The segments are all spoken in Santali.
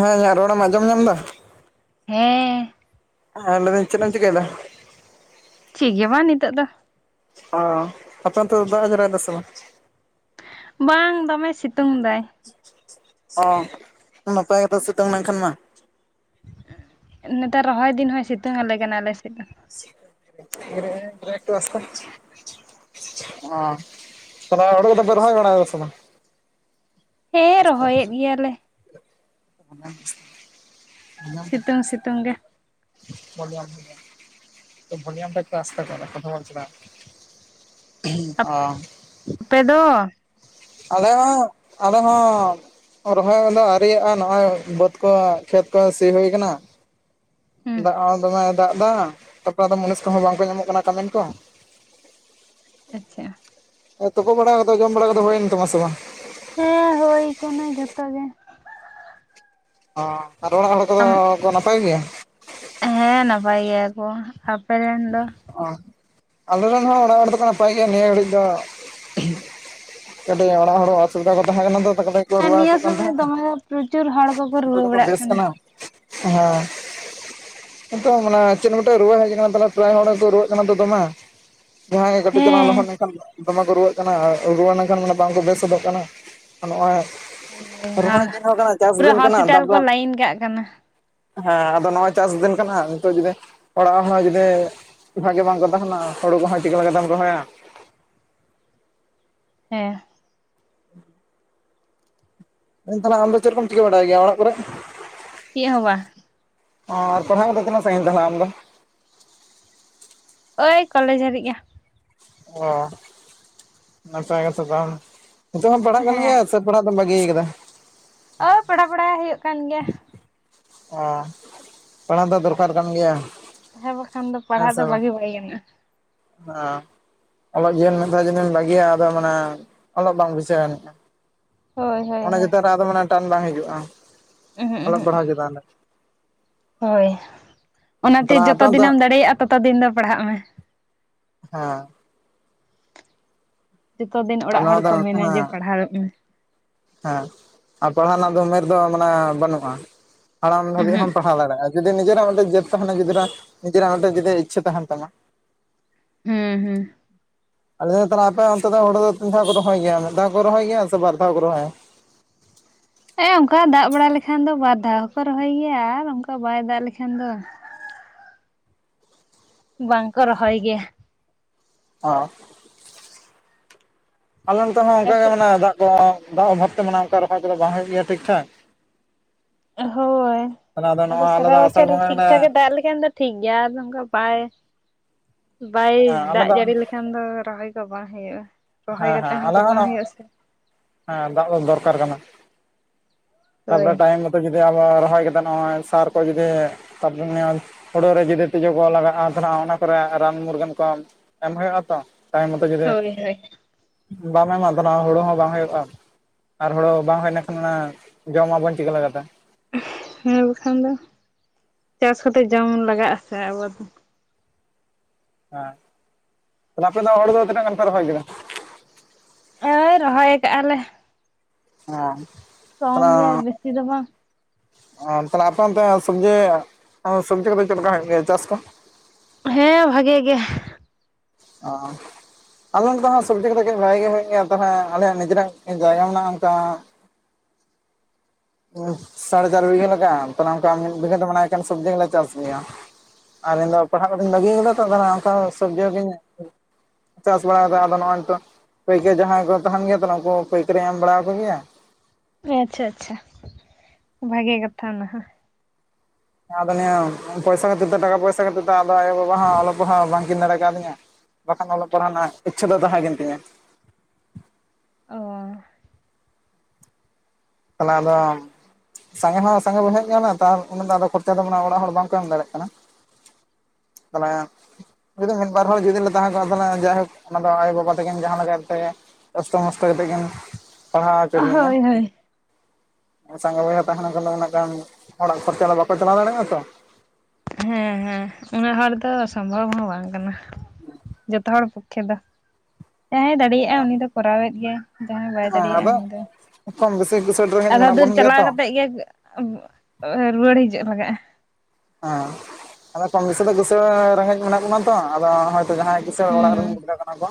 ᱦᱮᱸ ᱤᱧᱟᱹᱜ ᱨᱚᱲᱮ ᱮᱢ ᱟᱸᱡᱚᱢ ᱧᱟᱢ ᱮᱫᱟ? ᱦᱮᱸᱼᱼ ᱦᱮᱸ ᱞᱟᱹᱭ ᱫᱟᱹᱧ ᱪᱮᱫ ᱮᱢ ᱪᱤᱠᱟᱹᱭ ᱫᱟ? ᱪᱮᱫ ᱜᱮ ᱵᱟᱝ ᱱᱤᱛᱚᱜ ᱫᱚ᱾ ᱚ ᱟᱯᱮ ᱚᱱᱛᱮ ᱫᱚ ᱫᱟᱜᱼᱮ ᱡᱚᱨᱚᱭ ᱫᱟ ᱥᱮ ᱵᱟᱝ? ᱵᱟᱝ ᱫᱚᱢᱮ ᱥᱤᱛᱩᱝ ᱫᱟᱭ᱾ ᱚ ᱱᱟᱯᱟᱭ ᱜᱮᱛᱚ ᱥᱤᱛᱝ ᱞᱮᱱᱠᱷᱟᱱ ᱢᱟ᱾ ᱱᱮᱛᱟᱨ ᱨᱚᱦᱚᱭ ᱫᱤᱱ ᱦᱚᱸᱭ ᱥᱤᱛᱩᱝ ᱟᱞᱮ ᱠᱟᱱᱟ ᱟᱞᱮ ᱥᱮᱫ ᱫᱚ᱾ [unintelligible] ᱚ ᱛᱟᱦᱞᱮ ᱦᱩᱲᱩ ᱠᱚᱫᱚ ᱯᱮ ᱨᱚᱦᱚᱭ ᱵᱟᱲᱟᱣ ᱠᱟᱫᱟ ᱥᱮ ᱵᱟᱝ? ᱦᱮᱸ ᱨᱚᱦᱚᱭᱮᱫ ᱜᱮᱭᱟ ᱞᱮ ᱥᱤᱛᱩᱝ ᱥᱤᱛᱩᱝ ᱜᱮ [unintelligible] [unintelligible] ᱚᱻ ᱟᱯᱮᱫ ᱫᱚᱼᱼ ᱟᱞᱮ ᱦᱚᱸ ᱟᱞᱮ ᱦᱚᱸᱼᱼ ᱨᱚᱦᱚᱭ ᱠᱚᱫᱚ ᱟᱹᱤᱭᱟᱜᱼᱟ ᱱᱚᱜ-ᱚᱭ ᱵᱟᱹᱫᱽ ᱠᱚ ᱠᱷᱮᱛ ᱠᱚ ᱥᱤ ᱦᱩᱭᱩ ᱠᱟᱱᱟ᱾ ᱦᱩᱸ ᱫᱟᱜ ᱦᱚᱸ ᱫᱚᱢᱮ ᱫᱟᱜ ᱮᱫᱟ ᱛᱟᱯᱚᱨ ᱟᱫᱚ ᱢᱩᱱᱤᱥ ᱠᱚᱦᱚᱸ ᱵᱟᱝᱠᱚ ᱧᱟᱢᱚᱜ ᱠᱟᱱᱟ ᱠᱟᱹᱢᱤᱱ ᱠᱚᱼᱼ ᱟᱪᱪᱷᱟ᱾ ᱟᱨ ᱛᱩᱯᱚ ᱵᱟᱲᱟ ᱠᱚᱫᱚ ᱡᱚᱢ ᱵᱟᱲᱟ ᱠᱚᱫᱚ ᱦᱩᱭᱭᱮᱱ ᱛᱟᱢᱟ ᱥᱮ ᱵᱟᱝ? ᱦᱮᱸ ᱦᱳᱭ ᱠᱟᱱᱟ ᱡᱷᱚᱛᱚ ᱜᱮ᱾ ᱚ ᱟᱨ ᱚᱲᱟᱜ ᱦᱚᱲ ᱠᱚᱫᱚ ᱟᱢ ᱠᱚ ᱱᱟᱯᱟᱭ ᱜᱮᱭᱟ? ᱦᱮᱸ ᱱᱟᱯᱟᱭ ᱜᱮᱭᱟ ᱠᱚ ᱟᱯᱮ ᱨᱮᱱ ᱫᱚ? ᱟᱞᱮ ᱨᱮᱱ ᱦᱚᱸ ᱚᱲᱟᱜ ᱦᱚᱲ ᱫᱚᱠᱚ ᱱᱟᱯᱟᱭ ᱜᱮᱭᱟ ᱱᱤᱭᱟᱹ ᱜᱷᱟᱹᱲᱤᱡ ᱫᱚ ᱠᱟᱹᱴᱤᱜ ᱚᱲᱟᱜ ᱦᱚᱲ ᱠᱚ ᱚᱥᱩᱵᱤᱫᱷᱟ ᱠᱟᱛᱮ ᱦᱮᱡ ᱠᱟᱱᱟ ᱛᱚᱼᱼ ᱦᱮᱸ ᱱᱤᱭᱟᱹ ᱥᱚᱢᱚᱭ ᱫᱚᱢᱮ ᱯᱨᱚᱪᱩᱨ ᱦᱚᱲ ᱠᱚᱠᱚ ᱱᱤᱛᱚᱜ ᱨᱩᱣᱟᱹ ᱫᱚᱠᱚ ᱵᱟᱲᱟᱜ ᱵᱮᱥ ᱠᱟᱱᱟ᱾ ᱦᱮᱸ ᱱᱤᱛᱚᱜ ᱢᱟᱱᱮ ᱪᱮᱫ ᱨᱮᱱᱟᱜ ᱢᱤᱫᱴᱮᱡ ᱨᱩᱣᱟᱹ ᱦᱮᱡ ᱠᱟᱱᱟ ᱟᱫᱚᱞᱮᱼᱼ ᱯᱨᱟᱭ ᱦᱚᱲᱠᱚ ᱨᱩᱣᱟᱹᱜ ᱠᱟᱱᱟ ᱛᱚ ᱫᱚᱢᱮ ᱡᱟᱦᱟᱸ ᱜᱮ ᱠᱟᱹᱴᱤᱡ ᱪᱟᱞᱟᱝ ᱦᱮᱸ ᱞᱚᱦᱚᱫ ᱞᱮᱱᱠᱷᱟᱱ ᱜᱮ ᱫᱚᱢᱮ ᱠᱚ ᱨᱩᱣᱟᱹᱜ ᱠᱟᱱᱟ ᱟᱨ ᱨᱩᱣᱟᱹ ᱞᱮᱱᱠᱷᱟᱱ ᱢᱟᱱᱮ ᱵᱟᱝᱠᱚ ᱵᱮᱥ ᱜᱚᱫᱚᱜ ᱠᱟᱱᱟ ᱱᱚᱜᱼᱚᱭᱼᱼ ᱦᱳᱭ ᱦᱳᱭ ᱨᱚᱦᱚᱭ ᱫᱤᱱ ᱦᱚᱸ ᱠᱟᱱᱟ ᱪᱟᱥ ᱯᱩᱨᱟᱹ ᱫᱤᱱ ᱠᱟᱱᱟ ᱦᱚᱥᱯᱤᱴᱟᱞ ᱫᱟᱜ ᱠᱚ ᱫᱚᱼᱼ ᱞᱟᱭᱤᱱ ᱠᱟᱜ ᱠᱟᱱᱟ ᱦᱮᱸ ᱟᱫᱚ ᱱᱚᱜᱼᱚᱭ ᱪᱟᱥ ᱫᱤᱱ ᱠᱟᱱᱟ ᱱᱤᱛᱚᱜ ᱡᱩᱫᱤ ᱚᱲᱟᱜ ᱦᱚᱲ ᱦᱚᱸ ᱡᱩᱫᱤᱼᱼ ᱪᱮᱫᱟᱜ ᱜᱮ ᱵᱟᱝᱠᱚ ᱛᱟᱦᱮᱱᱟ ᱦᱩᱲᱩ ᱠᱚᱦᱚᱸ ᱪᱤᱠᱟᱹ ᱞᱮᱠᱟ ᱛᱮᱢ ᱨᱚᱦᱚᱭᱟ᱾ ᱦᱮᱸ ᱢᱮᱱ ᱛᱟᱦᱚᱞᱮ ᱟᱢ ᱫᱚ ᱪᱮᱫ ᱠᱚᱢ ᱪᱤᱠᱟᱹ ᱵᱟᱰᱟᱭ ᱜᱮᱭᱟ ᱚᱲᱟᱜ ᱠᱚᱨᱮ? ᱪᱮᱜ ᱦᱚᱸ ᱵᱟᱝ᱾ ᱚ ᱟᱨ ᱯᱟᱲᱦᱟᱜ ᱠᱚ ᱫᱚ ᱛᱤᱱᱟᱹᱜ ᱥᱟᱹᱝᱜᱤᱱ ᱛᱟᱦᱚᱞᱮ ᱟᱢ ᱫᱚ? ᱳᱭ ᱠᱚᱞᱮᱡᱽ ᱦᱟᱹᱨᱤᱡ ᱜᱮᱼᱼ ᱚ ᱱᱟᱯᱟᱭ ᱠᱟᱛᱷᱟ ᱛᱟᱦᱚᱞᱮ ᱱᱤᱛᱚᱜ ᱦᱚᱸᱢ ᱯᱟᱲᱦᱟᱜ ᱠᱟᱱ ᱦᱮᱸ ᱜᱮᱭᱟ ᱥᱮᱼᱼ ᱛᱚ ᱯᱟᱲᱦᱟᱜ ᱫᱚᱢ ᱵᱟᱹᱜᱤᱭ ᱠᱟᱫᱟ᱾ ᱳ ᱯᱮᱲᱟ ᱯᱟᱲᱟᱭ ᱦᱩᱭᱩᱜ ᱠᱟᱱ ᱜᱮᱭᱟ ᱚ ᱯᱟᱲᱦᱟᱣ ᱫᱚ ᱫᱚᱨᱠᱟᱨ ᱠᱟᱱ ᱜᱮᱭᱟ᱾ ᱦᱮᱸ ᱵᱟᱠᱷᱟᱱ ᱫᱚ ᱦᱮᱸ ᱯᱟᱲᱦᱟᱜ ᱥᱮ ᱫᱚ ᱵᱟᱝ ᱵᱟᱹᱜᱤ ᱵᱟᱭ ᱜᱟᱱᱚᱜᱼᱟ᱾ ᱦᱮᱸ ᱚᱞᱚᱜ ᱡᱤᱭᱚᱱ ᱢᱤᱫ ᱫᱷᱟᱣ ᱡᱩᱫᱤᱢ ᱵᱟᱹᱜᱤᱭᱟ ᱟᱫᱚ ᱢᱟᱱᱮ ᱚᱞᱚᱜ ᱵᱟᱝ ᱵᱩᱡᱷᱟᱹᱣ ᱟᱹᱱᱤᱡᱼᱟ᱾ ᱦᱳᱭ ᱦᱳᱭ ᱚᱱᱟ ᱦᱳᱭ ᱪᱮᱛᱟᱱ ᱨᱮ ᱟᱫᱚ ᱢᱟᱱᱮ ᱴᱟᱱ ᱵᱟᱝ ᱦᱤᱡᱩᱜᱼᱟ ᱩᱦᱩᱸᱜ ᱚᱞᱚᱜ ᱩᱦᱩᱸᱜ ᱯᱟᱲᱦᱟᱣ ᱪᱮᱛᱟᱱ ᱨᱮ᱾ ᱦᱳᱭ ᱚᱱᱟᱛᱮ ᱛᱟᱦᱚᱞᱮ ᱡᱚᱛᱚ ᱟᱯᱮ ᱫᱚ ᱫᱤᱱᱮᱢ ᱫᱟᱲᱮᱭᱟᱜᱼᱟ ᱛᱚᱛᱚ ᱫᱤᱱ ᱫᱚ ᱯᱟᱲᱦᱟᱜ ᱢᱮ᱾ ᱦᱮᱸᱼᱼ ᱡᱚᱛᱚ ᱫᱤᱱ ᱟᱨ ᱚᱲᱟᱜ ᱱᱚᱣᱟ ᱦᱚᱲ ᱫᱚ ᱠᱚ ᱢᱮᱱᱟ ᱡᱮ ᱦᱮᱸ ᱯᱟᱲᱦᱟᱣᱚᱜ ᱢᱮᱼᱼ ᱦᱮᱸ ᱟᱨ ᱯᱟᱲᱦᱟᱣ ᱨᱮᱱᱟᱜ ᱫᱚ ᱩᱢᱮᱨ ᱫᱚ ᱢᱟᱱᱮ ᱵᱟᱹᱱᱩᱜᱼᱟ ᱦᱟᱲᱟᱢ ᱫᱷᱟᱹᱵᱤᱡ ᱩᱦᱩᱸᱜ ᱦᱚᱢ ᱯᱟᱲᱦᱟᱣ ᱫᱟᱲᱮᱭᱟᱜᱼᱟ᱾ ᱡᱩᱫᱤ ᱱᱤᱡᱮᱨᱟᱜ ᱚᱱᱟᱛᱮ ᱡᱮᱛ ᱛᱟᱦᱮᱱᱟ ᱜᱤᱫᱽᱨᱟᱹ ᱱᱤᱡᱮᱨᱟᱜ ᱚᱨᱫᱷᱮᱠ ᱡᱩᱫᱤ ᱤᱪᱷᱟᱹ ᱛᱟᱦᱮᱱ ᱛᱟᱢᱟᱼᱼ ᱦᱮᱸ ᱦᱮᱸ ᱟᱞᱮ ᱫᱚᱞᱮ ᱟᱯᱮ ᱚᱱᱛᱮ ᱫᱚ ᱦᱩᱲᱩ ᱫᱚ ᱛᱤᱱ ᱫᱷᱟᱣ ᱠᱚ ᱨᱚᱦᱚᱭ ᱜᱮᱭᱟ ᱢᱤᱫ ᱫᱷᱟᱣ ᱠᱚ ᱨᱚᱦᱚᱭ ᱜᱮᱭᱟ ᱥᱮ ᱵᱟᱨ ᱫᱷᱟᱣ ᱠᱚ ᱨᱚᱦᱚᱭᱟ? ᱦᱮᱸ ᱚᱱᱠᱟ ᱫᱟᱜ ᱵᱟᱲᱟ ᱞᱮᱠᱷᱟᱱ ᱫᱚ ᱵᱟᱨ ᱫᱷᱟᱣ ᱦᱚᱠᱚ ᱨᱚᱦᱚᱭ ᱜᱮᱭᱟ ᱟᱨ ᱚᱱᱠᱟ ᱵᱟᱭ ᱫᱟᱜ ᱞᱮᱠᱷᱟᱱ ᱫᱚ, ᱵᱟᱝᱠᱚ ᱨᱚᱦᱚᱭ ᱜᱮᱭᱟ᱾ ᱚ ᱟᱞᱮ ᱱᱚᱛᱮ ᱦᱚᱸ ᱚᱱᱠᱟ ᱜᱮ ᱟᱯᱮ ᱢᱟᱱᱮ ᱫᱟᱜ ᱠᱚ ᱫᱟᱜ ᱚᱵᱷᱟᱵ ᱛᱮ ᱢᱟᱱᱮ ᱚᱱᱠᱟ ᱨᱚᱦᱚᱭ ᱠᱚᱫᱚ ᱵᱟᱝ ᱦᱳᱭᱚᱜ ᱜᱮᱭᱟ ᱴᱷᱤᱠ ᱴᱷᱟ᱾ ᱦᱳᱭ ᱛᱟᱦᱚᱞᱮ ᱟᱫᱚ ᱱᱚᱜᱼᱚᱭ ᱟᱞᱮ ᱥᱟᱨᱟ ᱫᱚ ᱟᱥᱟᱲ ᱵᱚᱪᱷᱚᱨ ᱵᱚᱸᱜᱟ ᱜᱮᱞᱮ ᱴᱷᱤᱠᱴᱷᱟᱠ ᱮ ᱫᱟᱜ ᱞᱮᱼᱼ ᱮᱠᱷᱟᱱ ᱫᱚ ᱴᱷᱤᱠ ᱜᱮᱭᱟ ᱟᱫᱚ ᱱᱚᱝᱠᱟ ᱵᱟᱭ ᱵᱟᱭ ᱦᱮᱸ ᱟᱞᱮ ᱫᱟᱜ ᱫᱚ ᱡᱟᱹᱲᱤ ᱞᱮᱠᱷᱟᱱᱼᱼ ᱟᱫᱚ ᱨᱚᱦᱚᱭ ᱠᱚ ᱵᱟᱝ ᱦᱩᱭᱩᱜᱼᱟ ᱨᱚᱦᱚᱭ ᱠᱟᱛᱮ ᱦᱚᱸ ᱛᱚ ᱵᱟᱝ ᱦᱩᱭᱩᱜᱼᱟ ᱥᱮᱼᱼ ᱦᱟᱸ ᱫᱟᱜ ᱫᱚ ᱫᱚᱨᱠᱟᱨ ᱠᱟᱱᱟ᱾ ᱦᱳᱭ ᱛᱟᱯᱚᱨᱮ ᱴᱟᱭᱤᱢ ᱢᱚᱛᱚ ᱡᱩᱫᱤ ᱟᱵᱚ ᱨᱚᱦᱚᱭ ᱠᱮᱫᱟᱜᱚᱭ ᱥᱟᱨ ᱠᱚ ᱡᱩᱫᱤ ᱛᱚᱨᱼᱼ ᱦᱩᱲᱳ ᱨᱮ ᱡᱩᱫᱤ ᱛᱤᱡᱩ ᱠᱚ ᱞᱟᱜᱟᱜᱼᱟ ᱛᱟᱦᱚᱞᱮ ᱚᱱᱟ ᱠᱚᱨᱮ ᱨᱟᱱ ᱢᱩᱨᱜᱟᱹᱱ ᱠᱚ ᱮᱢ ᱦᱩᱭᱩᱜᱼᱟ ᱛᱚ ᱴᱟᱭᱤᱢ ᱢᱚᱛᱚ ᱡᱩᱫᱤᱼᱼ ᱦᱳᱭ ᱦᱳᱭ ᱵᱟᱢ ᱮᱢᱟ ᱟᱫᱚ ᱱᱚᱜ ᱚᱭ ᱦᱳᱲᱩ ᱦᱚᱸ ᱵᱟᱝ ᱦᱩᱭᱩᱜᱼᱟ ᱟᱨ ᱦᱩᱲᱳ ᱵᱟᱝ ᱦᱩᱭ ᱞᱮᱠᱷᱟᱱ ᱚᱱᱟᱼᱼ ᱡᱚᱢ ᱟᱵᱚᱱ ᱪᱤᱠᱟᱹ ᱞᱮᱠᱟ ᱛᱮ᱾ ᱦᱮᱸ ᱵᱟᱠᱷᱟᱱ ᱫᱚ ᱪᱟᱥ ᱠᱟᱛᱮ ᱡᱚᱢ ᱞᱟᱜᱟᱜᱼᱟ ᱥᱮ ᱟᱵᱚ ᱫᱚ ᱦᱮᱸ ᱛᱟᱦᱚᱞᱮ ᱟᱯᱮ ᱫᱚ ᱦᱚᱲ ᱫᱚ ᱛᱤᱱᱟᱹᱜ ᱜᱟᱱ ᱯᱮ ᱨᱚᱦᱚᱭ ᱠᱮᱫᱟ? ᱟ. ᱭ ᱨᱚᱦᱚᱭ ᱨᱚᱦᱚᱭ ᱠᱟᱜ ᱟᱞᱮ ᱦᱮᱸ ᱠᱚᱢ ᱜᱮᱭᱟ ᱛᱟᱦᱚᱞᱮ ᱵᱮᱥᱤ ᱫᱚ ᱵᱟᱝ, ᱛᱟᱦᱚᱞᱮ ᱟᱯᱮ ᱚᱱᱛᱮ ᱥᱚᱵᱡᱤ ᱥᱚᱵᱡᱤ ᱠᱚᱫᱚ ᱦᱩᱭᱩᱜ ᱜᱮᱭᱟ ᱪᱟᱥ ᱠᱚ? ᱦᱮᱸ ᱵᱷᱟᱜᱮ ᱜᱮ ᱚᱸᱻ ᱟᱞᱮ ᱱᱚᱲᱮ ᱫᱚ ᱦᱟᱸᱜ ᱥᱚᱵᱽᱡᱤ ᱠᱚᱫᱚ ᱠᱟᱹᱡ ᱵᱷᱟᱜᱮ ᱜᱮ ᱦᱩᱭᱩᱜ ᱜᱮᱭᱟ ᱛᱟᱦᱟᱞᱮ ᱟᱞᱮᱭᱟᱜ ᱱᱤᱡᱮᱨᱟᱜ ᱡᱟᱭᱜᱟ ᱢᱮᱱᱟᱜᱼᱟ ᱚᱱᱠᱟᱼᱼ ᱥᱟᱲᱮ ᱪᱟᱨ ᱵᱤᱜᱷᱟᱹ ᱞᱮᱠᱟ ᱛᱟᱦᱞᱮ ᱚᱱᱠᱟ ᱢᱤᱫ ᱵᱤᱜᱷᱟᱹ ᱫᱚ ᱢᱟᱱᱮ ᱮᱠᱷᱮᱱ ᱥᱚᱵᱽᱡᱤ ᱜᱮᱸᱞᱮ ᱪᱟᱥ ᱜᱮᱭᱟ᱾ ᱟᱨ ᱤᱧ ᱫᱚ ᱯᱟᱲᱦᱟᱜ ᱠᱟᱛᱮᱧ ᱵᱟᱹᱜᱤ ᱟᱠᱟᱫᱟ ᱛᱚ ᱟᱫᱟ ᱚᱱᱟ ᱚᱱᱠᱟ ᱥᱚᱵᱽᱡᱤ ᱠᱚᱜᱤᱧᱼᱼ ᱪᱟᱥ ᱵᱟᱲᱣᱫᱟ ᱟᱫᱚ ᱱᱚᱜᱼᱚᱭ ᱱᱤᱛᱟᱜᱼᱼ ᱯᱟᱹᱭᱠᱟᱹᱨᱤ ᱡᱟᱦᱟᱸᱭ ᱠᱚ ᱛᱟᱦᱮᱱ ᱜᱮᱭᱟ ᱠᱚ ᱩᱱᱠᱩ ᱯᱟᱹᱭᱠᱟᱹᱨᱤᱧ ᱮᱢ ᱵᱟᱲᱟᱣ ᱟᱠᱚ ᱜᱮᱭᱟ ᱦᱮᱸ ᱟᱪᱪᱷᱟ ᱟᱪᱪᱷᱟ ᱵᱷᱟᱜᱮ ᱠᱟᱛᱷᱟ ᱚᱱᱟᱦᱚᱸ᱾ ᱟᱫᱚ ᱱᱤᱭᱟᱹ ᱯᱚᱭᱥᱟ ᱠᱷᱟᱹᱛᱤᱨ ᱛᱮ ᱴᱟᱠᱟ ᱯᱚᱭᱥᱟ ᱠᱷᱟᱹᱛᱤᱨ ᱛᱮ ᱟᱫᱚ ᱟᱭᱚᱼᱵᱟᱵᱟ ᱦᱚᱸ ᱚᱞᱚᱜ ᱯᱟᱲᱦᱟᱣ ᱵᱟᱝ ᱠᱤᱱ ᱫᱟᱲᱮ ᱠᱟᱣᱫᱤᱧᱟ᱾ ᱵᱟᱠᱷᱟᱱ ᱚᱞᱚᱜ ᱯᱟᱲᱦᱟᱣ ᱨᱮᱱᱟᱜ ᱤᱪᱷᱷᱟᱹ ᱫᱚ ᱛᱟᱦᱮᱸᱠᱟᱱ ᱛᱤᱧᱟᱹ᱾ ᱚᱻ ᱠᱟᱱᱟ ᱟᱫᱚ [inaudible] ᱥᱟᱸᱜᱮ ᱦᱚᱸ ᱥᱟᱸᱜᱮ ᱵᱚᱭᱦᱟᱜ ᱜᱮᱭᱟᱞᱮ ᱛᱟᱨ ᱩᱱᱟᱜ ᱫᱚ ᱟᱫᱚ ᱠᱷᱚᱨᱪᱟ ᱫᱚ ᱢᱟᱱᱮ ᱚᱲᱟᱜ ᱦᱚᱲ ᱵᱟᱝᱠᱚ ᱮᱢ ᱫᱟᱲᱮᱭᱟᱜ ᱠᱟᱱᱟ᱾ ᱛᱟᱦᱞᱮᱼᱼ ᱡᱩᱫᱤ ᱢᱤᱫ ᱵᱟᱨ ᱦᱚᱲ ᱡᱩᱫᱤ ᱞᱮ ᱛᱟᱦᱮᱸ ᱠᱚᱜᱼᱟ ᱛᱟᱦᱚᱞᱮ ᱡᱟᱭᱦᱳᱠ ᱚᱱᱟ ᱫᱚ ᱟᱭᱳ ᱵᱟᱵᱟ ᱛᱟᱹᱠᱤᱱ ᱡᱟᱦᱟᱸ ᱛᱮ ᱠᱚᱥᱴᱚ ᱢᱚᱥᱴᱚ ᱠᱟᱛᱮᱜ ᱠᱤᱱ ᱯᱟᱲᱦᱟᱣ ᱦᱚᱪᱚ ᱠᱟᱹᱞᱤᱧᱟ᱾ ᱦᱳᱭ ᱦᱳᱭ ᱥᱟᱸᱜᱮ ᱵᱚᱭᱦᱟ ᱛᱟᱦᱮ ᱞᱮᱱ ᱠᱷᱟᱱ ᱫᱚ ᱩᱱᱟᱹᱜ ᱜᱟᱱ ᱦᱚᱲᱟᱜ ᱠᱷᱚᱨᱪᱟ ᱫᱚ ᱵᱟᱠᱚ ᱪᱟᱞᱟᱣ ᱫᱟᱲᱮᱭᱟᱜᱼᱟ ᱛᱚ᱾ ᱦᱮᱸ ᱦᱮᱸ ᱩᱱᱟᱹᱜ ᱦᱚᱲ ᱫᱚ ᱥᱚᱢᱵᱷᱚᱵ ᱦᱚᱸ ᱵᱟᱝ ᱠᱟᱱᱟ᱾ ᱡᱚᱛᱚ ᱦᱚᱲ ᱯᱚᱠᱠᱷᱮ ᱫᱚ, ᱡᱟᱦᱟᱸᱭ ᱫᱟᱲᱮᱭᱟᱜᱼᱟᱭ ᱩᱱᱤ ᱫᱚ ᱠᱚᱨᱟᱣᱮᱫ ᱜᱮᱭᱟᱭ᱾ ᱡᱟᱦᱟᱸᱭ ᱵᱟᱭ ᱦᱮᱸ ᱫᱟᱲᱮᱭᱟᱜᱼᱟ ᱟᱫᱚ ᱩᱱᱤ ᱫᱚ, ᱠᱚᱢ ᱵᱮᱥᱤ ᱠᱤᱥᱟᱹᱬ ᱨᱮᱸᱜᱮᱡ ᱟᱫᱷᱟ ᱢᱮᱱᱟᱜ ᱫᱩᱨ ᱵᱚᱱ ᱜᱮᱭᱟ ᱪᱟᱞᱟᱣ ᱛᱚ ᱠᱟᱛᱮᱜ ᱜᱮᱼᱼ ᱟᱹᱵᱷ ᱨᱩᱣᱟᱹᱲ ᱦᱤᱡᱩᱜ ᱞᱟᱜᱟᱜᱼᱟ᱾ ᱦᱮᱸ ᱟᱫᱚ ᱠᱚᱢ ᱵᱮᱥᱤ ᱫᱚ ᱠᱤᱥᱟᱹᱲ ᱨᱮᱸᱜᱮᱡ ᱢᱮᱱᱟᱜ ᱵᱚᱱᱟ ᱛᱚ ᱟᱫᱚ ᱦᱚᱭᱛᱚ ᱡᱟᱦᱟᱸᱭ ᱠᱤᱥᱟᱹᱲ ᱚᱲᱟᱜ ᱨᱮᱱ ᱦᱩᱸ ᱜᱤᱫᱽᱨᱟᱹ ᱠᱟᱱᱟ ᱠᱚ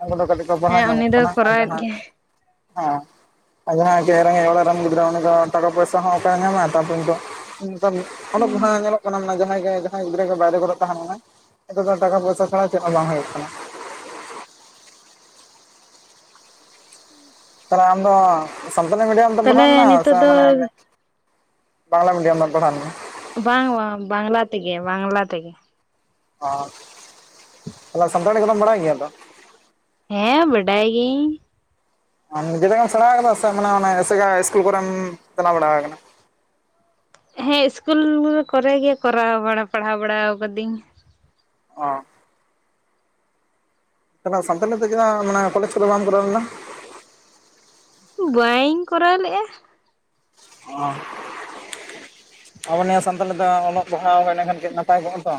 ᱩᱱᱠᱩ ᱫᱚ ᱠᱟᱹᱴᱤᱡ ᱠᱚ ᱯᱟᱲᱦᱟᱣ ᱦᱮᱸ ᱩᱱᱤ ᱧᱚ-ᱜᱚᱜ ᱫᱚ ᱠᱟᱱᱟ ᱟᱨ ᱠᱚᱨᱟᱣᱮᱫ ᱡᱟᱦᱟᱸ ᱜᱮᱭᱟᱭ ᱦᱚᱸ᱾ ᱡᱟᱦᱟᱭᱸ ᱠᱟᱹᱡ ᱨᱮᱸᱜᱮᱜ ᱚᱲᱟᱜ ᱨᱮᱱ ᱜᱤᱫᱽᱨᱟᱹ ᱩᱱᱤᱫᱚ ᱴᱟᱠᱟ ᱯᱩᱭᱥᱟᱹ ᱦᱚᱸᱚᱠᱟᱨᱮ ᱧᱟᱢᱟᱭ ᱛᱟᱯᱚᱨᱮ ᱱᱤᱛᱚᱜ ᱱᱤᱛᱚᱜ ᱵᱟᱝ ᱦᱩᱸ ᱟᱸᱡᱚᱢᱚᱜ [inaudible] ᱚᱱᱟᱢ ᱢᱮᱱᱟ ᱡᱟᱦᱟᱸᱭ ᱜᱮ ᱡᱟᱦᱟᱸᱭ ᱜᱤᱫᱽᱨᱟᱹ ᱜᱮ ᱵᱟᱭᱨᱮ ᱠᱚᱨᱮ ᱛᱟᱦᱮ ᱞᱮᱱᱟᱭ ᱱᱤᱛᱚᱜ ᱫᱚ ᱴᱟᱠᱟ ᱯᱩᱭᱥᱟ ᱪᱷᱟᱲᱟ ᱪᱮᱫ ᱦᱚᱸ ᱵᱟᱝ ᱦᱩᱭᱩᱜ ᱠᱟᱱᱟ᱾ ᱩᱸ [unintelligible] ᱵᱟᱝ ᱟᱢᱫᱚ ᱥᱟᱱᱛᱟᱲᱤ ᱢᱤᱰᱤᱭᱟᱢ ᱛᱮᱢ ᱯᱟᱲᱦᱟᱣ ᱛᱟᱦᱚᱞᱮ ᱞᱮᱱᱟ ᱥᱮ ᱱᱤᱛᱚᱜ ᱫᱚ ᱢᱟᱱᱮ ᱵᱟᱝᱞᱟ ᱢᱤᱰᱤᱭᱟᱢᱮᱢ ᱯᱚᱲᱦᱟᱣ ᱞᱮᱱᱟ? ᱵᱟᱝ ᱵᱟᱝ ᱵᱟᱝᱞᱟ ᱛᱮᱜᱮ ᱵᱟᱝᱞᱟ ᱛᱮᱜᱮ᱾ ᱚ ᱛᱟᱦᱞᱮ ᱥᱟᱱᱛᱷᱟᱲᱤ ᱠᱚᱫᱚᱢ ᱵᱟᱲᱟᱭ ᱜᱮᱭᱟ ᱛᱚ? ᱦᱮᱸ ᱵᱟᱰᱟᱭ ᱜᱤᱭᱟᱹᱧ᱾ ᱱᱤᱡᱮ ᱛᱮᱜᱮᱢ ᱥᱮᱲᱟ ᱟᱠᱟᱫᱟ ᱥᱮ ᱢᱟᱱᱮ ᱮᱥᱮᱠᱟᱭ ᱤᱥᱠᱩᱞ ᱠᱚᱨᱮᱢ ᱪᱟᱞᱟᱣ ᱵᱟᱲᱟ ᱟᱠᱟᱱᱟ? ᱦᱮᱸ ᱤᱥᱠᱩᱞ ᱠᱚᱨᱮ ᱜᱮ ᱠᱚᱨᱟᱣ ᱵᱟᱲᱟ ᱯᱟᱲᱦᱟᱣ ᱵᱟᱲᱟᱣ ᱠᱟᱫᱤᱧ᱾ ᱚᱻ ᱛᱟᱦᱞᱮ ᱥᱟᱱᱛᱟᱞᱤ ᱛᱮ ᱪᱮᱫᱟᱜ ᱠᱚᱞᱮᱡᱽ ᱠᱚᱫᱚ ᱵᱟᱢ ᱠᱚᱨᱟᱣ ᱞᱮᱫᱟ? ᱵᱟᱹᱧ ᱠᱚᱨᱟᱣ ᱞᱮᱜᱼᱟ᱾ ᱚᱻ ᱟᱵᱚ ᱱᱤᱭᱟᱹ ᱥᱟᱱᱛᱷᱟᱞᱤ ᱫᱚ ᱚᱞᱚᱜ ᱯᱟᱲᱦᱟᱣ ᱮᱱᱮᱠᱷᱟᱱ ᱠᱟᱹᱡ ᱱᱟᱯᱟᱭ ᱠᱚᱜᱼᱟ ᱛᱚ᱾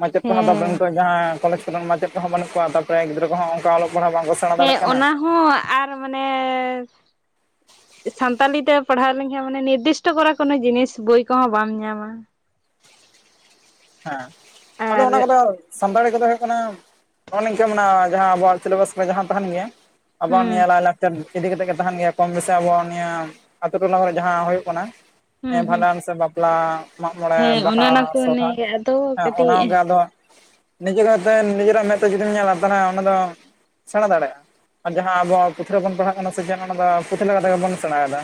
ᱢᱟᱪᱮᱫ ᱠᱚᱦᱚᱸ ᱫᱚ ᱦᱮᱸ ᱠᱚᱣᱟ ᱡᱟᱦᱟᱸᱭ ᱠᱚᱞᱮᱡᱽ ᱠᱚᱨᱮᱱ ᱢᱟᱪᱮᱫ ᱠᱚᱦᱚᱸ ᱵᱟᱹᱱᱩᱜ ᱠᱚᱣᱟ ᱛᱟᱨᱯᱚᱨᱮ ᱜᱤᱫᱽᱟᱹ ᱠᱚᱦᱚᱸ ᱚᱝᱠᱟ ᱚᱞᱚᱜ ᱯᱟᱲᱦᱟᱜ ᱵᱟᱝᱠᱚ ᱥᱮᱼᱼ ᱦᱮᱸ ᱚᱱᱟ ᱦᱚᱸ ᱟᱨ ᱢᱟᱱᱮ ᱥᱟᱱᱛᱟᱞᱤ ᱛᱮ ᱯᱟᱲᱦᱟᱣ ᱞᱮᱱᱠᱷᱟᱱ ᱢᱟᱱᱮ ᱱᱤᱨᱫᱤᱥᱴᱚ ᱠᱚᱨᱮ ᱠᱳᱱᱳ ᱡᱤᱱᱤᱥ ᱵᱳᱭ ᱠᱚᱦᱚᱸ ᱵᱟᱢ ᱧᱟᱢᱟ᱾ ᱦᱮᱸ ᱟᱫᱚ ᱟᱨ ᱚᱱᱟ ᱠᱚᱫᱚ ᱥᱟᱱᱛᱟᱲᱤ ᱠᱚᱫᱚ ᱦᱳᱭᱳᱜ ᱠᱟᱱᱟ ᱱᱚᱜᱼ ᱱᱤᱝᱠᱟᱹ ᱢᱮᱱᱟᱜ-ᱟ ᱡᱟᱦᱟᱸ ᱟᱵᱚᱣᱟᱜ ᱥᱤᱞᱮᱵᱟᱥ ᱨᱮ ᱡᱟᱦᱟᱸ ᱛᱟᱦᱮᱱ ᱜᱮᱭᱟ, ᱟᱵᱚᱟᱜ ᱮᱢ ᱦᱩᱸ ᱧᱮᱞᱟ [inaudible] ᱤᱫᱤ ᱠᱟᱛᱮᱜ ᱜᱮ ᱛᱟᱦᱮᱱ ᱜᱮᱭᱟ ᱠᱚᱢ ᱵᱮᱥᱤ ᱟᱵᱚ ᱱᱤᱭᱟᱹ ᱟᱹᱛᱩ ᱴᱚᱞᱟ ᱠᱚᱨᱮ ᱡᱟᱦᱟᱸ ᱦᱩᱭᱩᱜ ᱠᱟᱱᱟ᱾ ᱦᱩᱸ ᱦᱮᱸ ᱦᱩᱸ ᱵᱷᱟᱸᱰᱟᱱ ᱥᱮ ᱵᱟᱯᱞᱟ, ᱢᱟᱜ ᱢᱚᱬᱮ, ᱦᱮᱸ ᱚᱱᱮ ᱵᱟᱦᱟ, ᱚᱱᱟ ᱠᱚ ᱥᱚᱨᱦᱟᱭ ᱟᱫᱚ ᱦᱮᱸ ᱚᱱᱟᱜᱮ ᱠᱟᱹᱴᱤᱡ ᱟᱫᱚ ᱱᱤᱡᱮ ᱠᱚᱛᱮ ᱱᱤᱡᱮᱨᱟᱜ ᱢᱮᱫ ᱛᱮ ᱡᱩᱫᱤᱢ ᱧᱮᱞᱟ ᱛᱟᱦᱞᱮ ᱚᱱᱟ ᱫᱚ ᱥᱮᱬᱟ ᱫᱟᱲᱮᱭᱟᱜᱼᱟ ᱟᱨ ᱡᱟᱦᱟᱸ ᱟᱵᱚᱣᱟᱜ ᱯᱩᱛᱷᱤ ᱨᱮᱵᱚᱱ ᱯᱟᱲᱦᱟᱜ ᱠᱟᱱᱟ ᱥᱮ ᱚᱱᱟ ᱫᱚ ᱯᱩᱛᱷᱤ ᱞᱮᱠᱟ ᱞᱮᱠᱟ ᱛᱮᱜᱮ ᱵᱚᱱ ᱥᱮᱬᱟᱭᱮᱫᱟ᱾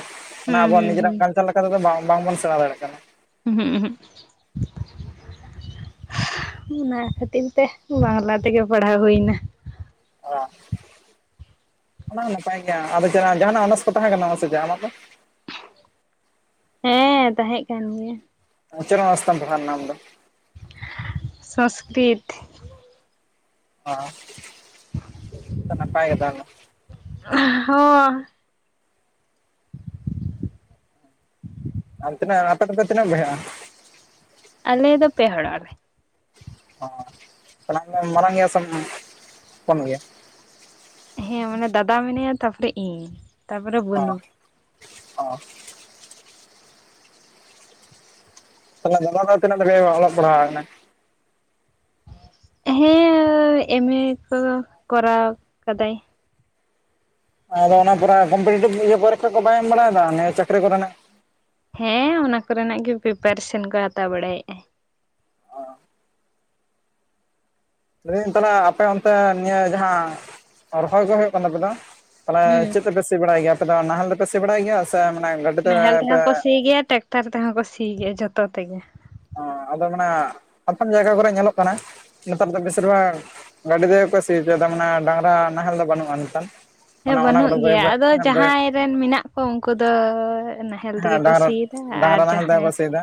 ᱚᱱᱟ ᱦᱩᱸ ᱟᱵᱚ ᱦᱩᱸ ᱱᱤᱡᱮᱨᱟᱜ ᱠᱟᱞᱪᱟᱨ ᱞᱮᱠᱟ ᱛᱮᱫᱚ ᱵᱟᱝ ᱵᱟᱝᱵᱚᱱ ᱥᱮᱬᱟ ᱫᱟᱲᱮᱭᱟᱜ ᱠᱟᱱᱟ᱾ ᱩᱦᱩᱸᱜ ᱩᱦᱩᱸᱜ᱾ ᱚᱱᱟ ᱠᱷᱟᱹᱛᱤᱨ ᱛᱮ ᱵᱟᱝᱞᱟ ᱛᱮᱜᱮ ᱯᱟᱲᱦᱟᱣ ᱦᱩᱭᱱᱟ᱾ ᱚ, ᱚᱱᱟ ᱦᱚᱸ ᱱᱟᱯᱟᱭ ᱜᱮᱭᱟ ᱟᱫᱚ ᱡᱟᱱᱟ ᱡᱟᱦᱟᱱᱟᱜ ᱚᱱᱟᱨᱥ ᱠᱚ ᱛᱟᱦᱮᱸ ᱠᱟᱱᱟ ᱥᱮ ᱪᱮᱫ ᱟᱢᱟᱜ ᱫᱚ? ᱦᱮᱸ ᱛᱟᱦᱮᱸᱜ ᱠᱟᱱ ᱜᱮᱭᱟ᱾ ᱪᱮᱫ ᱚᱱᱟᱨᱥ ᱛᱮᱢ ᱯᱟᱲᱦᱟᱣ ᱞᱮᱱᱟ ᱟᱢ ᱫᱚ? ᱥᱚᱱᱥᱠᱨᱤᱛ᱾ ᱚ ᱛᱚ ᱱᱟᱯᱟᱭ ᱜᱮ ᱛᱟᱦᱞᱮ᱾ ᱦᱚᱸ᱾ ᱟᱢ ᱛᱤᱱᱟᱹᱜ ᱟᱯᱮ ᱫᱚᱯᱮ ᱛᱤᱱᱟᱹᱜ ᱵᱚᱭᱦᱟᱜᱼᱟ? ᱟᱞᱮ ᱫᱚ ᱯᱮ ᱦᱚᱲᱚᱜ ᱟᱞᱮ᱾ ᱚᱸ ᱛᱟᱞᱦᱮ ᱟᱢ ᱫᱚᱢ ᱢᱟᱨᱟᱝ ᱜᱮᱭᱟ ᱥᱮᱢ ᱦᱚᱯᱚᱱ ᱜᱮᱭᱟ? ᱦᱮᱸ ᱢᱟᱱᱮ ᱫᱟᱫᱟ ᱢᱮᱱᱟᱭᱟ ᱛᱟᱯᱚᱨᱮ ᱤᱧ᱾ ᱛᱟᱯᱚᱨᱮ ᱵᱟᱹᱱᱩ ᱚᱸ, ᱚᱸ᱾ ᱛᱟᱦᱞᱮ ᱫᱟᱫᱟ ᱫᱚ ᱛᱤᱱᱟᱹᱜ ᱫᱷᱟᱹᱵᱤᱡ ᱮ ᱚᱞᱚᱜ ᱯᱟᱲᱦᱟᱣ ᱟᱠᱟᱱᱟ? ᱦᱮᱸ ᱮᱢ ᱮ ᱠᱚ ᱠᱚᱨᱟᱣ ᱠᱟᱫᱟᱭ᱾ ᱟᱫᱚ ᱚᱱᱟ ᱯᱚᱨᱮ ᱠᱚᱢᱯᱤᱴᱤᱵᱷ ᱤᱭᱟᱹ ᱯᱚᱨᱤᱠᱠᱷᱟ ᱠᱚ ᱵᱟᱭ ᱮᱢ ᱵᱟᱲᱟᱭᱮᱫᱟ ᱱᱤᱭᱟᱹ ᱪᱟᱹᱠᱨᱤ ᱠᱚᱨᱮᱱᱟᱜ? ᱦᱮᱸ ᱚᱱᱟ ᱠᱚᱨᱮᱱᱟᱜ ᱜᱮ ᱯᱨᱤᱯᱟᱨᱮᱥᱚᱱ ᱠᱚ ᱦᱟᱛᱟᱣ ᱵᱟᱲᱟᱭᱮᱫᱼᱟᱭ᱾ ᱞᱟᱹᱭ ᱫᱟᱹᱧ ᱛᱟᱞᱦᱮ ᱟᱯᱮ ᱚᱱᱛᱮ ᱱᱤᱭᱟᱹ ᱡᱟᱦᱟᱸ, ᱨᱚᱦᱚᱭ ᱠᱚ ᱦᱩᱭᱩᱜ ᱠᱟᱱᱟ ᱛᱟᱯᱮ ᱫᱚ? ᱛᱟᱦᱞᱮ ᱦᱮᱸ ᱪᱮᱫ ᱛᱮᱯᱮ ᱥᱤ ᱵᱟᱲᱟᱭ ᱜᱮᱭᱟ ᱟᱯᱮ ᱫᱚ ᱱᱟᱦᱮᱞ ᱛᱮᱯᱮ ᱥᱤ ᱵᱟᱲᱟᱭ ᱜᱮᱭᱟ ᱥᱮ ᱢᱟᱱᱮ ᱜᱟ ᱱᱟᱦᱮᱞ ᱛᱮᱦᱚᱸ ᱠᱚ ᱥᱤ ᱜᱮᱭᱟ ᱴᱮᱠᱴᱟᱨ ᱛᱮᱦᱚᱸ ᱠᱚ ᱥᱤ ᱜᱮᱭᱟ ᱡᱷᱚᱛᱚ ᱛᱮᱜᱮ᱾ ᱚᱸ ᱟᱫᱚ ᱢᱟᱱᱮ ᱟᱛᱷᱟᱱ ᱡᱟᱭᱜᱟ ᱠᱚᱨᱮ ᱧᱮᱞᱚᱜ ᱠᱟᱱᱟ ᱱᱮᱛᱟᱨ ᱫᱚ ᱵᱮᱥᱤᱨ ᱵᱷᱟᱜᱽ ᱜᱟᱹᱰᱤ ᱛᱮᱜᱮ ᱠᱚ ᱥᱤ ᱦᱚᱪᱚᱭ ᱢᱟᱱᱮ ᱰᱟᱝᱨᱟ ᱱᱟᱦᱮᱞ ᱫᱚ ᱵᱟᱹᱱᱩᱜᱼᱟ ᱱᱮᱛᱟᱨ᱾ ᱦᱮᱸ ᱢᱟᱱᱮ ᱚᱱᱟ ᱵᱟᱹᱱᱩᱜ ᱠᱚᱫᱚ ᱵᱟᱹᱭ ᱜᱮᱭᱟ ᱵᱟᱹᱭ ᱟᱫᱚ ᱵᱟᱹᱭ ᱡᱟᱦᱟᱸᱭ ᱨᱮᱱ ᱢᱮᱱᱟᱜ ᱠᱚ ᱩᱱᱠᱩ ᱫᱚ ᱱᱟ ᱦᱮᱞ ᱛᱮᱜᱮ ᱦᱮᱸ ᱠᱚ ᱰᱟᱝᱨᱟ ᱥᱤᱭ ᱫᱟ ᱟᱨ ᱰᱟᱝᱨᱟ ᱱᱟᱦᱮᱞ ᱛᱮᱜᱮ ᱡᱟᱦᱟᱸᱭ ᱠᱚ ᱥᱤᱭᱮᱫᱟ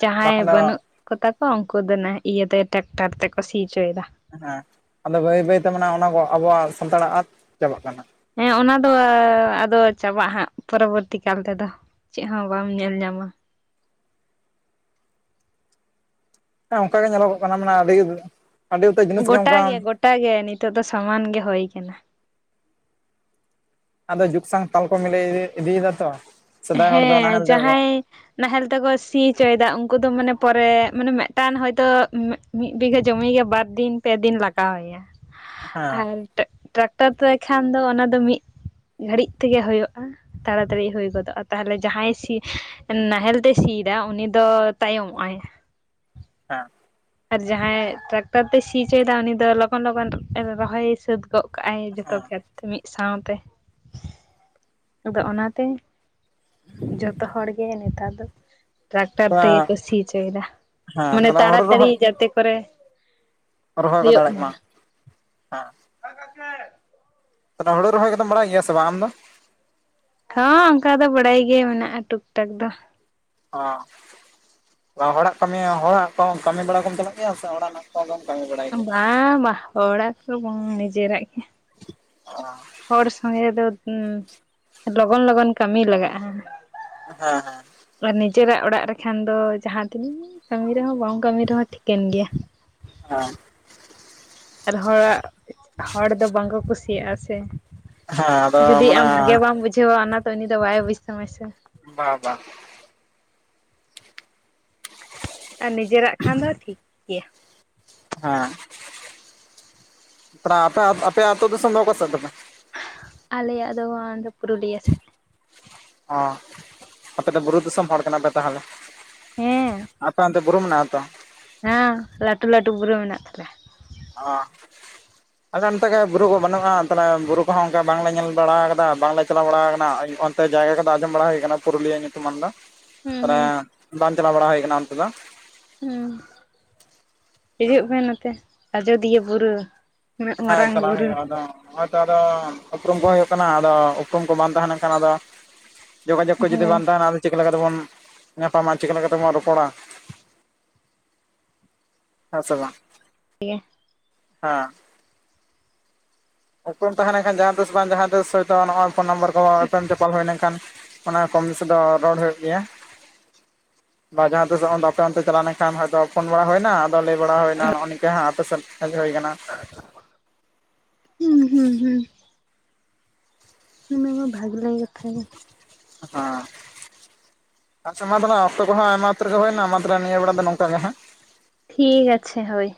ᱡᱟᱦᱟᱸᱭ ᱵᱟᱠᱷᱟᱱ ᱫᱚ ᱵᱟᱹᱱᱩᱜ ᱠᱚᱛᱟ ᱠᱚᱣᱟ ᱩᱱᱠᱩ ᱫᱚ ᱱᱟ ᱤᱭᱟᱹᱛᱮ ᱴᱮᱠᱴᱟᱨ ᱛᱮᱠᱚ ᱥᱤ ᱚᱪᱚᱭᱮᱫᱟ᱾ ᱦᱮᱸ ᱟᱫᱚ ᱵᱟᱹᱭ ᱵᱟᱹᱭᱛᱮ ᱢᱟᱱᱮ ᱚᱱᱟ ᱠᱚ ᱟᱵᱚᱣᱟᱜ ᱥᱟᱱᱛᱟᱲᱟᱜ ᱟᱫ ᱪᱟᱵᱟᱜ ᱠᱟᱱᱟ᱾ ᱦᱮᱸ ᱚᱱᱟ ᱫᱚ ᱟᱫᱚ ᱪᱟᱵᱟᱜ-ᱟ ᱦᱟᱸᱜ ᱯᱚᱨᱚᱵᱚᱨᱛᱤ ᱠᱟᱞ ᱛᱮᱫᱚ᱾ ᱪᱮᱫ ᱦᱚᱸ ᱵᱟᱢ ᱧᱮᱞ ᱧᱟᱢᱟ᱾ ᱟᱫᱚ ᱚᱱᱠᱟ ᱜᱮ ᱧᱮᱞᱚᱜᱚᱜ ᱠᱟᱱᱟ ᱢᱟᱱᱮ ᱟᱹᱰᱤ ᱟᱹᱰᱤ ᱩᱛᱟᱹᱨ ᱡᱤᱱᱤᱥ ᱜᱚᱴᱟ ᱚᱱᱠᱟ ᱜᱮ ᱜᱚᱴᱟ ᱜᱮ ᱱᱤᱛᱚᱜ ᱫᱚ ᱥᱚᱢᱟᱱ ᱜᱮ ᱦᱩᱭ ᱟᱠᱟᱱᱟ᱾ ᱟᱫᱚ ᱡᱩᱜᱽ ᱥᱟᱝ ᱛᱟᱞ ᱠᱚ ᱢᱤᱞᱟᱹᱭ ᱤᱫᱤᱭᱮᱫᱟ ᱛᱚ᱾ ᱥᱮᱫᱟᱭ ᱦᱚᱲ ᱫᱚ ᱦᱮᱸ ᱱᱟᱦᱮᱞ ᱛᱮᱠᱚ ᱡᱟᱦᱟᱸᱭ ᱱᱟᱦᱮᱞ ᱛᱮᱠᱚ ᱥᱤ ᱦᱚᱪᱚᱭᱮᱫᱟ ᱩᱱᱠᱩ ᱫᱚ ᱢᱟᱱᱮ ᱯᱚᱨᱮ ᱢᱟᱱᱮ ᱢᱤᱫᱴᱟᱱ ᱦᱳᱭᱛᱚ ᱢᱤᱫ ᱵᱤᱜᱷᱟᱹ ᱡᱚᱢᱤ ᱜᱮ ᱵᱟᱨ ᱫᱤᱱ ᱯᱮ ᱫᱤᱱ ᱞᱟᱜᱟᱣᱮᱭᱟ ᱦᱮᱸ ᱟᱨ ᱴᱮᱜ ᱴᱨᱟᱠᱴᱟᱨ ᱛᱮᱠᱷᱟᱱ ᱫᱚ ᱚᱱᱟ ᱫᱚ ᱢᱤᱫ ᱜᱷᱟᱹᱲᱤᱡ ᱛᱮᱜᱮ ᱦᱩᱭᱩᱜᱼᱟ, ᱛᱟᱲᱟᱛᱟᱹᱲᱤ ᱦᱩᱭ ᱜᱚᱫᱚᱜᱼᱟ᱾ ᱛᱟᱦᱚᱞᱮ ᱡᱟᱦᱟᱸᱭ ᱥᱤ ᱱᱟᱦᱮᱞ ᱛᱮ ᱥᱤ ᱭᱮᱫᱟ ᱩᱱᱤ ᱫᱚ ᱛᱟᱭᱚᱢᱚᱜ-ᱟᱭ᱾ ᱦᱮᱸ᱾ ᱟᱨ ᱡᱟᱦᱟᱸᱭ ᱴᱨᱟᱠᱴᱟᱨ ᱛᱮ ᱥᱤ ᱚᱪᱚᱭᱮᱫᱟ ᱩᱱᱤ ᱫᱚ ᱞᱚᱜᱚᱱ ᱞᱚᱜᱚᱱ ᱮᱨ ᱨᱚᱦᱚᱭ ᱥᱟᱹᱛ ᱜᱚᱜ ᱠᱟᱜᱼᱟᱭ ᱡᱷᱚᱛᱚ ᱠᱷᱮᱛ ᱢᱤᱫ ᱥᱟᱶᱛᱮ᱾ ᱟᱫᱚ ᱚᱱᱟᱛᱮ ᱡᱷᱚᱛᱚ ᱦᱚᱲᱜᱮ ᱱᱮᱛᱟᱨ ᱫᱚ ᱴᱨᱟᱠᱴᱟᱨ ᱛᱮᱜᱮ ᱠᱚ ᱥᱤ ᱦᱚᱪᱚᱭᱮᱫᱟ, ᱦᱮᱸ ᱢᱟᱱᱮ ᱛᱟᱦᱞᱮ ᱦᱩᱲᱩ ᱛᱟᱲᱟᱛᱟᱲᱤ ᱨᱚᱦᱚᱭ ᱡᱟᱛᱮ ᱠᱚᱨᱮ ᱨᱚᱦᱚᱭ ᱠᱚ ᱫᱟᱲᱮᱜ ᱢᱟ, ᱦᱮᱸ᱾ [inaudible] ᱦᱩᱲᱩ ᱨᱚᱦᱚᱭ ᱠᱚᱫᱚᱢ ᱵᱟᱲᱟᱭ ᱜᱮᱭᱟ ᱥᱮ ᱵᱟᱝ ᱟᱢ ᱫᱚ? ᱦᱚᱸ ᱚᱱᱠᱟ ᱫᱚ ᱵᱟᱲᱟᱭ ᱜᱮ ᱢᱮᱱᱟᱜᱼᱟ ᱴᱩᱠ ᱴᱟᱠ ᱫᱚ, ᱚᱸ ᱦᱚᱲᱟᱜ ᱠᱟᱹᱢᱤ ᱦᱚᱲᱟᱜ ᱠᱚ ᱠᱟᱹᱢᱤ ᱵᱟᱲᱟ ᱠᱚᱢ ᱪᱟᱞᱟᱜ ᱜᱮᱭᱟ ᱥᱮ ᱦᱚᱲᱟᱜ ᱨᱮᱱᱟᱜᱼᱼ [unintelligible] ᱠᱟᱢᱤ ᱵᱟᱲᱟ ᱵᱟᱝ ᱵᱟ ᱦᱚᱲᱟᱜ ᱠᱚ ᱵᱟᱝ ᱱᱤᱡᱮᱨᱟᱜ ᱜᱮ, ᱚ ᱦᱚᱲ ᱥᱚᱝᱜᱮ ᱫᱚ ᱞᱚᱜᱚᱱ ᱞᱚᱜᱚᱱ ᱠᱟᱹᱢᱤ ᱞᱟᱜᱟᱜᱼᱟ᱾ ᱦᱮᱸ ᱦᱮᱸ ᱟᱨ ᱱᱤᱡᱮᱨᱟᱜ ᱚᱲᱟᱜ ᱨᱮᱠᱷᱟᱱ ᱫᱚ ᱡᱟᱦᱟᱸ ᱛᱤᱱᱟᱹᱜ ᱠᱟᱹᱢᱤ ᱨᱮᱦᱚᱸ ᱵᱟᱢ ᱠᱟᱹᱢᱤ ᱨᱮᱦᱚᱸ ᱴᱷᱤᱠᱟᱹᱱ ᱜᱮᱭᱟ᱾ ᱦᱮᱸ ᱟᱨ ᱦᱚᱲᱟᱜ ᱦᱚᱲ ᱫᱚ ᱵᱟᱝᱠᱚ ᱠᱩᱥᱤᱭᱟᱜᱼᱟ ᱥᱮ ᱦᱮᱸ ᱟᱫᱚ ᱡᱩᱫᱤ ᱟᱢ ᱢᱟᱱᱮ ᱵᱷᱟᱜᱮ ᱵᱟᱢ ᱵᱩᱡᱷᱟᱹᱣᱟ ᱚᱱᱟ ᱫᱚ ᱩᱱᱤ ᱫᱚ ᱵᱟᱭ ᱵᱩᱡ ᱛᱟᱢᱟᱭ ᱥᱮ ᱵᱟ ᱵᱟᱦᱼᱼ ᱟᱨ ᱱᱤᱡᱮᱨᱟᱜ ᱠᱷᱟᱱ ᱫᱚ ᱴᱷᱤᱠᱼᱼ ᱦᱮᱸ ᱯᱮᱲᱟ ᱟᱯᱮ ᱟᱯᱮ ᱟᱛᱳ ᱫᱚ ᱫᱤᱥᱚᱢ ᱚᱠᱟᱥᱮᱫ ᱛᱟᱯᱮ? ᱟᱞᱮᱭᱟᱜ ᱫᱚ ᱯᱩᱨᱩᱞᱤᱭᱟᱹ ᱥᱮᱫ ᱚᱸ ᱟᱯᱮ ᱫᱚ ᱵᱩᱨᱩ ᱫᱤᱥᱚᱢ ᱦᱚᱲ ᱠᱟᱱᱟ ᱯᱮ ᱛᱟᱦᱚᱞᱮ? ᱦᱮᱸ ᱟᱯᱮ ᱚᱱᱛᱮ ᱵᱩᱨᱩ ᱢᱮᱱᱟᱜᱼᱟ ᱛᱚ? ᱦᱮᱸ ᱞᱟᱹᱴᱩ ᱞᱟᱹᱴᱩ ᱵᱩᱨᱩ ᱢᱮᱱᱟᱜ ᱛᱟᱞᱮ᱾ ᱚᱸ ᱟᱞᱮ ᱚᱱᱛᱮ ᱜᱮ ᱵᱩᱨᱩ ᱠᱚ ᱵᱟᱹᱱᱩᱜ-ᱟ ᱛᱟᱦᱚᱞᱮ ᱵᱩᱨᱩ ᱠᱚᱦᱚᱸ ᱚᱱᱠᱟ ᱵᱟᱝᱞᱮ ᱧᱮᱞ ᱵᱟᱲᱟ ᱟᱠᱟᱫᱟ ᱵᱟᱝᱞᱮ ᱪᱟᱞᱟᱣ ᱵᱟᱲᱟ ᱟᱠᱟᱱᱟᱼᱼ ᱚᱱᱛᱮ ᱡᱟᱭᱜᱟ ᱠᱚᱫᱚ ᱟᱸᱡᱚᱢ ᱵᱟᱲᱟ ᱦᱩᱭ ᱟᱠᱟᱱᱟ ᱯᱩᱨᱩᱞᱤᱭᱟᱹ ᱧᱩᱛᱩᱢᱟᱱ ᱫᱚ ᱦᱩᱸ ᱛᱚᱵᱮ ᱦᱩᱸ ᱵᱟᱝ ᱪᱟᱞᱟᱣ ᱵᱟᱲᱟ ᱦᱩᱭ ᱟᱠᱟᱱᱟ ᱚᱱᱛᱮ ᱫᱚ, ᱦᱩᱸᱢ ᱦᱤᱡᱩᱜ ᱯᱮ ᱱᱚᱛᱮ ᱟᱡᱚᱫᱤᱭᱟᱹ ᱵᱩᱨᱩᱼᱼ ᱩᱱᱟᱹᱜ ᱢᱟᱨᱟᱝ ᱵᱩᱨᱩ, ᱦᱳᱭᱛᱚ ᱟᱫᱚ ᱩᱯᱨᱩᱢ ᱠᱚᱦᱚᱸ ᱦᱩᱭᱩᱜ ᱠᱟᱱᱟ ᱟᱫᱚ ᱩᱯᱨᱩᱢ ᱠᱚ ᱵᱟᱝ ᱛᱟᱦᱮᱸ ᱞᱮᱱᱠᱷᱟᱱ ᱟᱫᱚᱼᱼ ᱡᱳᱜᱟ ᱡᱳᱜᱽ ᱠᱚ ᱡᱩᱫᱤ ᱦᱳᱭ ᱵᱟᱝ ᱛᱟᱦᱮᱱᱟ ᱟᱫᱚ ᱪᱤᱠᱟ ᱞᱮᱠᱟᱛᱮᱵᱚᱱ ᱧᱟᱯᱟᱢᱟ ᱪᱤᱠᱟᱹ ᱞᱮᱠᱟᱛᱮᱵᱚᱱ ᱨᱚᱯᱚᱲᱟ? ᱦᱮᱥᱮ ᱵᱟᱝ? ᱴᱷᱤᱠ ᱜᱮᱼᱼ ᱦᱮᱸ ᱩᱯᱨᱩᱢ ᱛᱟᱦᱮᱸ ᱞᱮᱱᱠᱷᱟᱱ ᱡᱟᱦᱟᱸ ᱛᱤᱥ ᱵᱟᱝ ᱡᱟᱦᱟᱸ ᱛᱤᱥ ᱦᱚᱭᱛᱳ ᱱᱚᱜᱚᱭ ᱯᱷᱳᱱ ᱱᱟᱢᱵᱟᱨ ᱠᱚ ᱮᱯᱮᱢ ᱪᱟᱯᱟᱞ ᱦᱩᱭ ᱞᱮᱱ ᱠᱷᱟᱱᱼᱼ ᱚᱱᱟ ᱠᱚᱢ ᱵᱤᱥᱤ ᱫᱚ ᱨᱚᱲ ᱦᱩᱭᱩᱜ ᱜᱮᱭᱟ? ᱡᱟᱦᱟᱸᱛᱤᱥ ᱦᱚᱸ ᱟᱯᱮ ᱚᱱᱛᱮ ᱪᱟᱞᱟᱣ ᱞᱮᱱᱠᱷᱟᱱ ᱯᱷᱳᱱ ᱵᱟᱲᱟ ᱦᱩᱭᱱᱟ? ᱞᱟᱹᱭ ᱵᱟᱲᱟ ᱦᱩᱭᱱᱟ ᱱᱚᱜ -ᱚ ᱱᱤᱝᱠᱟ ᱟᱯᱮᱥᱮᱫ ᱦᱮᱡ ᱦᱩᱭ ᱠᱟᱱᱟ? [inaudible] ᱦᱩᱢ [unintelligible] ᱠᱟᱛᱷᱟ ᱜᱮ ᱦᱩᱢᱸ ᱟᱪᱪᱷᱟ ᱢᱟ ᱛᱟᱦᱞᱮ ᱚᱠᱛᱚ ᱠᱚᱦᱚᱸ ᱟᱭᱢᱟ ᱩᱛᱟᱹᱨᱜᱮ ᱦᱩᱭᱱᱟ ᱢᱟ ᱛᱟᱦᱞᱮ ᱱᱤᱭᱟᱹ ᱵᱮᱲᱟ ᱫᱚ ᱱᱚᱝᱠᱟ ᱜᱮ ᱦᱮᱸ? ᱴᱷᱤᱠ ᱟᱪᱷᱮ ᱦᱳᱭ᱾